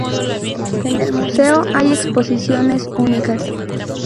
En el museo hay exposiciones únicas.